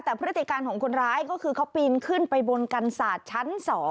แต่พฤติการของคนร้ายก็คือเขาปีนขึ้นไปบนกันศาสตร์ชั้น๒